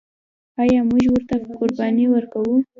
آیا موږ ورته قرباني ورکوو؟